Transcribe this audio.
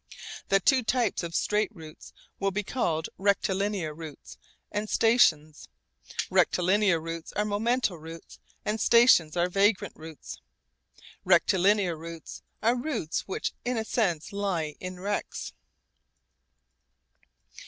The two types of straight routes will be called rectilinear routes and stations. Rectilinear routes are momental routes and stations are vagrant routes. Rectilinear routes are routes which in a sense lie in rects.